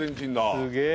すげえ。